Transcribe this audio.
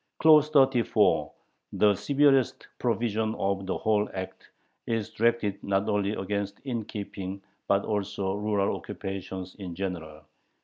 Clause 34, the severest provision of the whole act, is directed not only against innkeeping but against rural occupations in general.